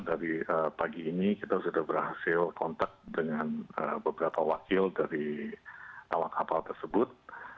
dari pagi ini kita sudah berhasil kontak dengan beberapa wakil dari awak kapal tersebut